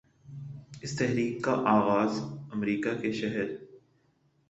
اس تحریک کا آغاز امریکہ کہ شہر